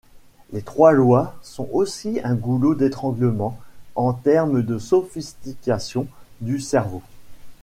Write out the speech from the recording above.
Les trois lois sont aussi un goulot d’étranglement en termes de sophistication du cerveau.